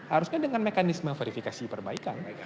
harusnya dengan mekanisme verifikasi perbaikan